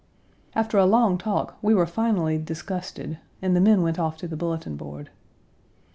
After a long talk we were finally disgusted and the men went off to the bulletin board.